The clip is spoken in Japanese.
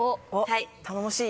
頼もしい。